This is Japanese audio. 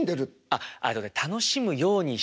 あっ楽しむようにしてるって。